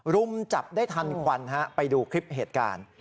รุมจับได้ทันควันไปดูคลิปเหตุการณ์